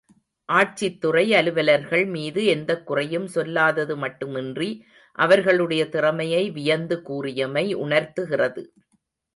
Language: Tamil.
ஆட்சித்துறை அலுவலர்கள் மீது எந்தக் குறையும் சொல்லாதது மட்டுமின்றி அவர்களுடைய திறமையை வியந்து கூறியமை உணர்த்துகிறது.